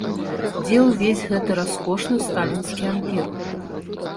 Дзе увесь гэты раскошны сталінскі ампір?